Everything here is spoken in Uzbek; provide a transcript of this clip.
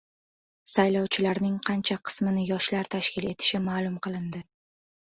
Saylovchilarning qancha qismini yoshlar tashkil etishi ma’lum qilindi